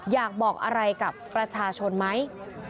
อยากบอกอะไรกับประชาชนไหม